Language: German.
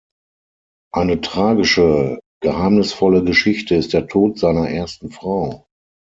Eine tragische geheimnisvolle Geschichte ist der Tod seiner ersten Frau.